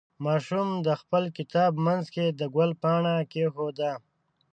ماشوم د خپل کتاب منځ کې د ګل پاڼه کېښوده.